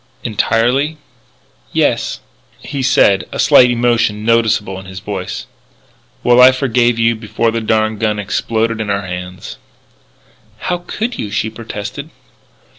"Entirely?" "Yes." He said, a slight emotion noticeable in his voice: "Well, I forgave you before the darned gun exploded in our hands." "How could you?" she protested.